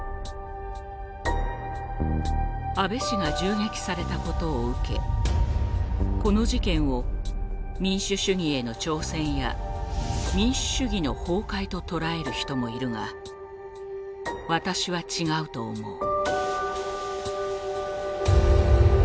「安倍氏が銃撃されたことを受けこの事件を『民主主義への挑戦』や『民主主義の崩壊』ととらえる人もいるが私は違うと思う」。